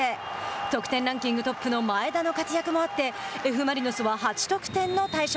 得点ランキングトップの前田の活躍もあってＦ・マリノスは８得点の大勝。